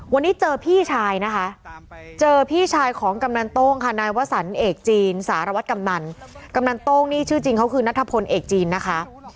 วันนี้เจอพี่ชายนะคะเจอพี่ชายของกำนันโต้งค่ะนายวสันเอกจีนสารวัตรกำนันกำนันโต้งนี่ชื่อจริงเขาคือนัทพลเอกจีนนะคะ